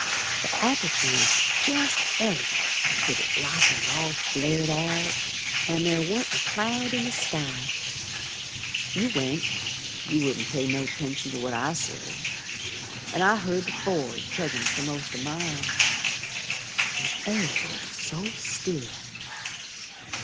The apple trees was jest elegant With their blossoms all flared out, An' there warn't a cloud in the sky. You went, you wouldn't pay no 'tention to what I said, An' I heard the Ford chuggin' for most a mile, The air was so still.